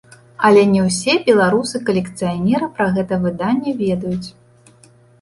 Але не ўсе беларусы-калекцыянеры пра гэта выданне ведаюць.